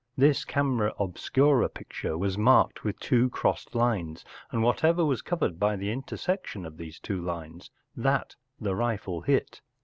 This camera obscura picture was marked with two crossed lines, and whatever was covered by the intersection of these two lines, that the rifle hit.